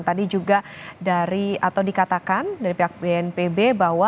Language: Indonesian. tadi juga dari atau dikatakan dari pihak bnpb bahwa